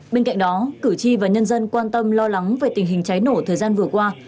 bên cạnh đó cử tri và nhân dân quan tâm lo lắng về tình hình cháy nổ thời gian vừa qua